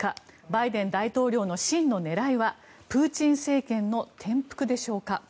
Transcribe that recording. バイデン大統領の真の狙いはプーチン政権の転覆でしょうか。